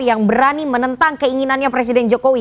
yang berani menentang keinginannya presiden jokowi